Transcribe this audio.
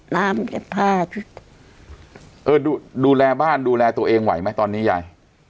น้ำเก็บผ้าเออดูแลบ้านดูแลตัวเองไหวไหมตอนนี้ยาย